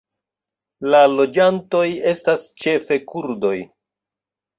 La loĝantoj estas ĉefe kurdoj.